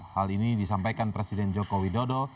hal ini disampaikan presiden jokowi dodo